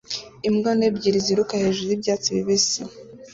Imbwa nto ebyiri ziruka hejuru y'ibyatsi bibisi